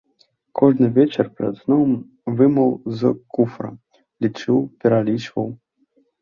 Кожны вечар перад сном вымаў з куфра, лічыў, пералічваў.